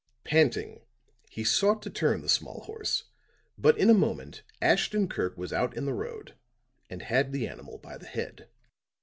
Panting he sought to turn the small horse, but in a moment Ashton Kirk was out in the road and had the animal by the head.